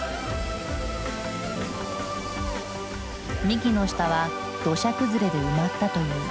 幹の下は土砂崩れで埋まったという。